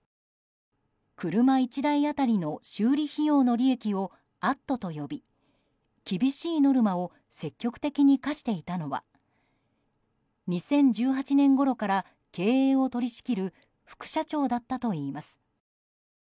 車１台当たりの修理費用の利益を「＠」と呼び厳しいノルマを積極的に課していたのは２０１８年ごろから経営を取り仕切る副社長だったといいます。